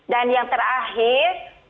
dan yang terakhir